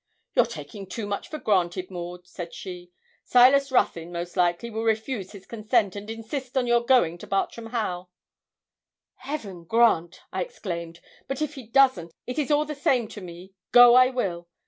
'You're taking too much for granted, Maud,' said she; 'Silas Ruthyn, most likely, will refuse his consent, and insist on your going to Bartram Haugh.' 'Heaven grant!' I exclaimed; 'but if he doesn't, it is all the same to me, go I will.